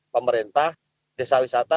pemerintah desa wisata